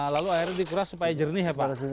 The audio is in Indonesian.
lalu airnya dikuras supaya jernih ya pak